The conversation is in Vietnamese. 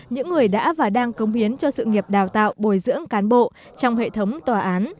những người đã và đang công hiến cho sự nghiệp đào tạo bồi dưỡng cán bộ trong hệ thống tòa án